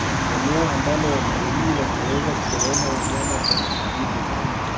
eneo ambalo watalii wanaweza kuwaona wanyama kwa ukaribu zaidi